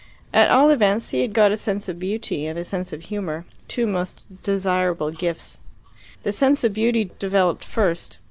At all events he had got a sense of beauty and a sense of humour, two most desirable gifts. The sense of beauty developed first.